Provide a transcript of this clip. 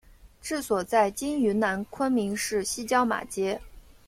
治所在今云南昆明市西郊马街。